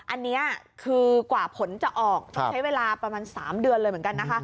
อันนี้คือกว่าผลจะออกต้องใช้เวลาประมาณ๓เดือนเลยเหมือนกันนะคะ